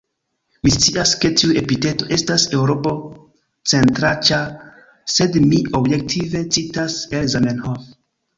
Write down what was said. Mi scias, ke tiu epiteto estas eŭropo-centraĉa, sed mi objektive citas el Zamenhof.